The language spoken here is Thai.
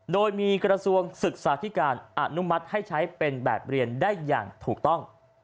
โดยมีกระทรวงศึกษาธิการอนุมัติให้ใช้เป็นแบบเรียนได้อย่างถูกต้อง